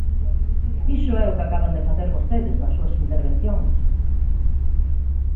Iso é o que acaban de facer vostedes nas súas intervencións.